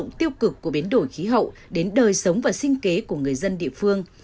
động tiêu cực của biến đổi khí hậu đến đời sống và sinh kế của người dân địa phương